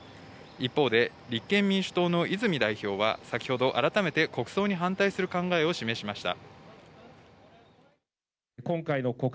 一方で立憲民主党の泉代表は先ほど改めて国葬に反対する考えを示しました。